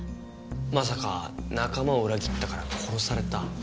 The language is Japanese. まさか仲間を裏切ったから殺された。